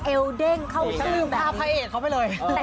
เอลเด้งเข้าสู้แบบนี้ถ้าลืมผ้าพระเอกเขาไปเลย